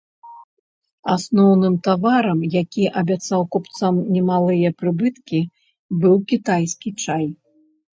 Асноўным таварам, які абяцаў купцам немалыя прыбыткі, быў кітайскі чай.